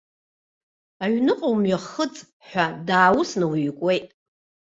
Аҩныҟа умҩахыҵ ҳәа дааусны уикуеит.